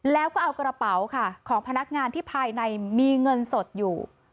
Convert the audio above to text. แล้วก็เอากระเป๋าค่ะของพนักงานที่ภายในมีเงินสดอยู่